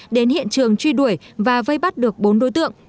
đến hiện trường truy đuổi và vây bắt được bốn đối tượng